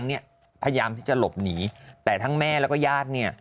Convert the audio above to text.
พยายามที่จะหลบหนีแต่ทั้งแม่แล้วก็ญาติเนี่ย